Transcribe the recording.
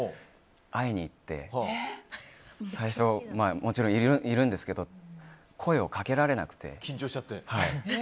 会いに行って最初、もちろんいるんですけど声をかけられなくて。